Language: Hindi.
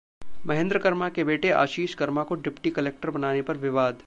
महेन्द्र कर्मा के बेटे आशीष कर्मा को डिप्टी कलेक्टर बनाने पर विवाद